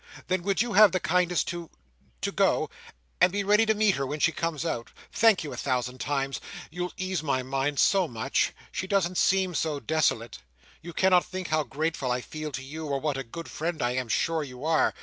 Then would you have the kindness to—to go? and to be ready to meet her when she comes out? Thank you a thousand times! You ease my mind so much. She doesn't seem so desolate. You cannot think how grateful I feel to you, or what a good friend I am sure you are!"